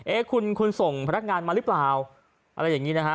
เอ๊ะคุณคุณส่งพนักงานมาหรือเปล่าอะไรอย่างนี้นะฮะ